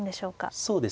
そうですね。